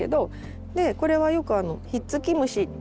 これはよくひっつき虫って。